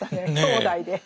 兄弟で。